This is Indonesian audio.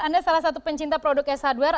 anda salah satu pencinta produk s hardware